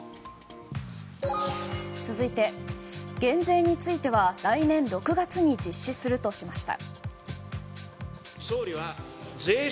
続いて、減税については来年６月に実施するとしました。